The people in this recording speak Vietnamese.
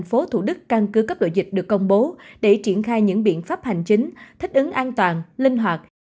đề nghị các thủ đức căn cứ cấp độ dịch được công bố để triển khai những biện pháp hành chính thích ứng an toàn linh hoạt